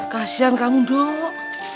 kasian kamu dok